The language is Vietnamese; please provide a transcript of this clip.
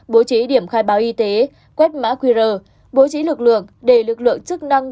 bố trí điểm khai báo y tế quét mã qr bố trí lực lượng để lực lượng chức năng